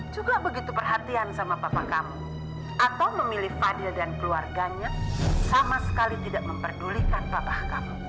juga begitu perhatian sama papa kamu atau memilih fadil dan keluarganya sama sekali tidak memperdulikan bapak kamu